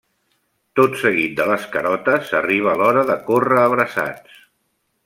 Tot seguit de les carotes arriba l’hora de córrer abraçats.